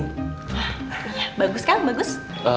wah iya bagus kang bagus